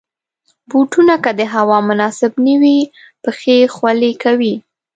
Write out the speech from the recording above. بوټونه که د هوا مناسب نه وي، پښې خولې کوي.